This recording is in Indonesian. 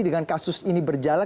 dengan kasus ini berjalan